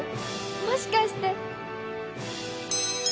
もしかして。